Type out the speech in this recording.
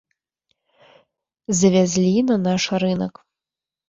Завязлі на наш рынак.